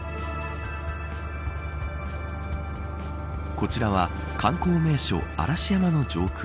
こちらは観光名所、嵐山の上空。